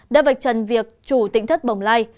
đã vạch trần việc chủ tỉnh thất bồng lai